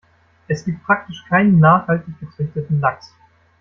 Es gibt praktisch keinen nachhaltig gezüchteten Lachs.